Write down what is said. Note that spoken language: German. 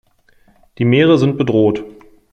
Die Meere sind bedroht.